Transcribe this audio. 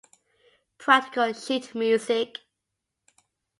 Practical sheet music